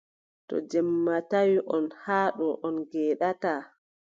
To jemma tawi on haa ɗo, on ngeeɗataa.